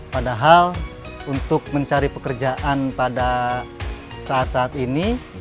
padahal untuk mencari pekerjaan pada saat saat ini